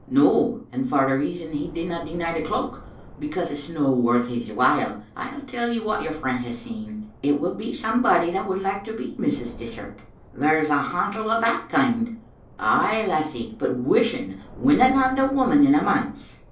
" No, and for the reason he didna deny the cloak : be cause it's no worth his while. I'll tell you wha your friend had seen. It would be somebody that would like to be Mrs. Dishart. There's a hantle o' that kind. Ay, lassie, but wishing winna land a woman in a manse."